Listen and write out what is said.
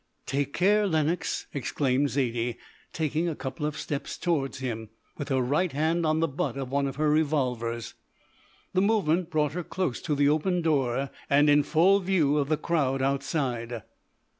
"Take care, Lenox," exclaimed Zaidie, taking a couple of steps towards him, with her right hand on the butt of one of her revolvers. The movement brought her close to the open door, and in full view of the crowd outside.